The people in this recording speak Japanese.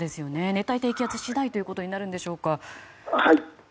熱帯低気圧次第ということになるんでしょうか。